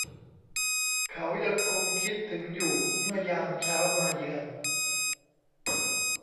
เขายังคงคิดถึงอยู่เมื่อยามเช้ามาเยือน